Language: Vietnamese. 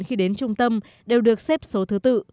khi đến trung tâm đều được xếp số thứ tự